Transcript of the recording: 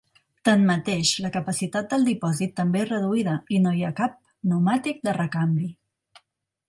Tanmateix, la capacitat del dipòsit també és reduïda i no hi ha cap pneumàtic de recanvi.